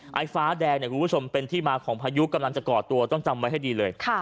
ไอ้ฟ้าแดงเนี่ยคุณผู้ชมเป็นที่มาของพายุกำลังจะก่อตัวต้องจำไว้ให้ดีเลย